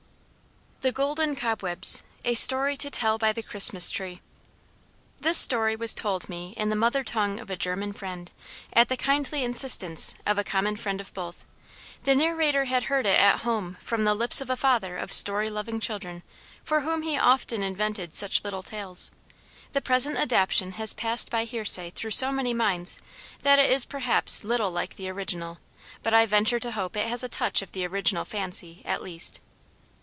THE GOLDEN COBWEBS A STORY TO TELL BY THE CHRISTMAS TREE [Footnote 1: This story was told me in the mother tongue of a German friend, at the kindly instance of a common friend of both; the narrator had heard it at home from the lips of a father of story loving children for whom he often invented such little tales. The present adaptation has passed by hearsay through so many minds that it is perhaps little like the original, but I venture to hope it has a touch of the original fancy, at least.